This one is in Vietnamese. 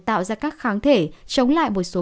tạo ra các kháng thể chống lại một số